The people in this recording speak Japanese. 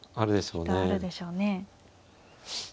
きっとあるでしょうね。